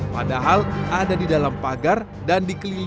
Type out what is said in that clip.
padahal ada di dalam pagar dan dikelilingi